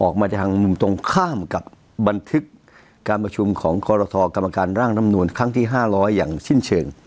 ของครถกรรมการร่างดำนวนครั้งที่๕๐๐อย่างชิ้นเฉลฯ